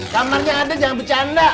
kamarnya ada jangan bercanda